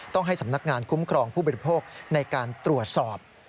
ต้องให้สำนักงานคุ้มครองผู้บริโภคในการตรวจสอบ